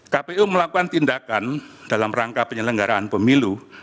kpu melakukan tindakan dalam rangka penyelenggaraan pemilu